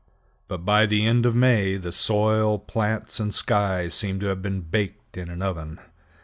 But by the end of May the soil, plants, and sky seem to have been baked in an oven.